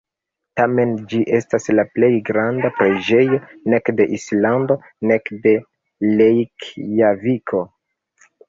Tamen, ĝi estas la plej granda preĝejo nek de Islando nek de Rejkjaviko.